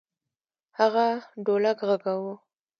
هغه ډولک غږاوه.